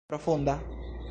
profunda